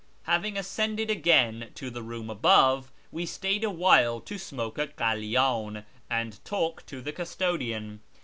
Having ascended again to the room above, we stayed a while to smoke a kalydn and talk to the custodian.